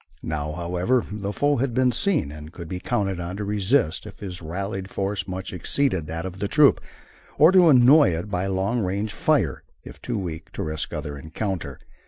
Now, however, the foe had been seen and could be counted on to resist if his rallied force much exceeded that of the troop, or to annoy it by long range fire if too weak to risk other encounter.